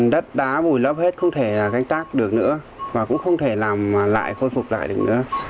đất đá vùi lấp hết không thể canh tác được nữa và cũng không thể làm lại khôi phục lại được nữa